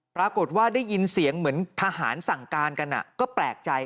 ปรากฏว่าได้ยินเสียงเหมือนทหารสั่งการกันก็แปลกใจ